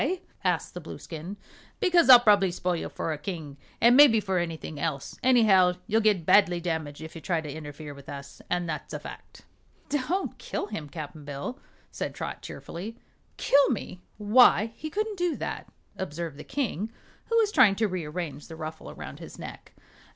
asked the Blueskin. "Because I'll prob'ly spoil you for a king, an' mebbe for anything else. Anyhow, you'll get badly damaged if you try to interfere with us an' that's a fact." "Don't kill him, Cap'n Bill," said Trot, cheerfully. "Kill me? Why, he couldn't do that," observed the King, who was trying to rearrange the ruffle around his neck.